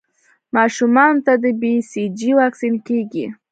ماشومانو ته د بي سي جي واکسین کېږي.